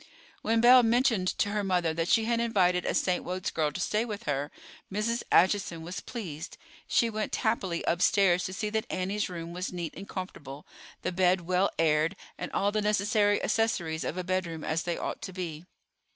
When Belle mentioned to her mother that she had invited a St. Wode's girl to stay with her, Mrs. Acheson was pleased. She went happily upstairs to see that Annie's room was neat and comfortable, the bed well aired, and all the necessary accessories of a bedroom as they ought to be.